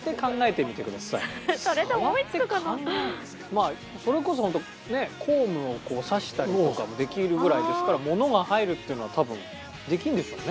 まあそれこそホントねコームを挿したりとかもできるぐらいですからものが入るっていうのは多分できるんでしょうね。